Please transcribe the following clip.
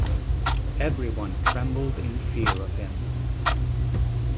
Everyone trembled in fear of him.